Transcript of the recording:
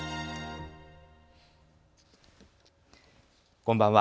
こんばんは。